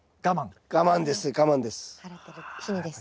我慢ですね我慢です。